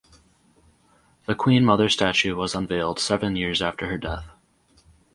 The Queen Mother statue was unveiled seven years after her death.